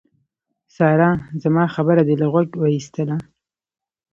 سارا! زما خبره دې له غوږه واېستله.